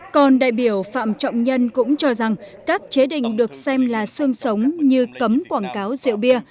còn đại biểu phạm trọng nhân cũng cho rằng các chế định được xem là sương sống như cấm quảng cáo rượu bia